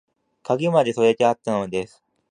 鍵まで添えてあったのです